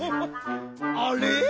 あれ？